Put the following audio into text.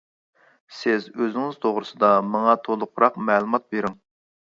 سىز ئۆزىڭىز توغرىسىدا ماڭا تولۇقراق مەلۇمات بىرىڭ.